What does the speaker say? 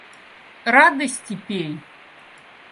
Радости пей!